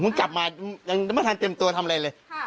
กลับมายังไม่ทันเต็มตัวทำอะไรเลย